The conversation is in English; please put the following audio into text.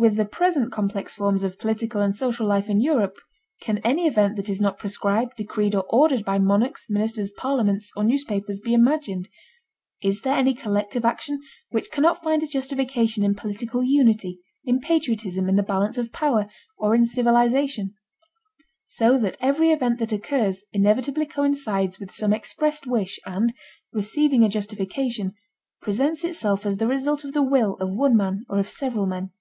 With the present complex forms of political and social life in Europe can any event that is not prescribed, decreed, or ordered by monarchs, ministers, parliaments, or newspapers be imagined? Is there any collective action which cannot find its justification in political unity, in patriotism, in the balance of power, or in civilization? So that every event that occurs inevitably coincides with some expressed wish and, receiving a justification, presents itself as the result of the will of one man or of several men.